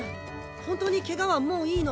本当にケガはもういいの？